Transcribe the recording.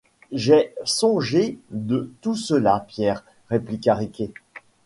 J'ai songé à tout cela Pierre, répliqua Riquet.